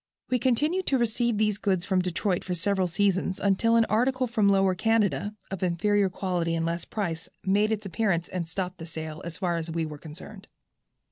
We continued to receive these goods from Detroit for several seasons, until an article from Lower Canada, of inferior quality and less price, made its appearance, and stopped the sale, as far as we were concerned."